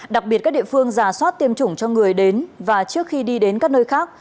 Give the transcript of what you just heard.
đặc biệt các địa phương giả soát tiêm chủng cho người đến và trước khi đi đến các nơi khác